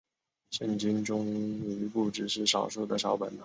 圣经终于不只是少数的抄本了。